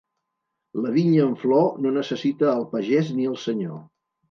La vinya en flor no necessita el pagès ni el senyor.